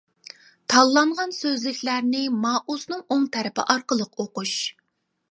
تاللانغان سۆزلۈكلەرنى مائۇسنىڭ ئوڭ تەرىپى ئارقىلىق ئوقۇش.